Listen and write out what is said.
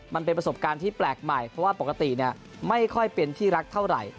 มันเป็นประสบการณ์ที่แปลกใหม่เพราะว่าปกติไม่ค่อยเป็นที่รักเท่าไหร่